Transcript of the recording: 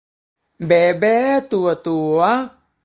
เบ่เบ๊ตั่วตั๋ว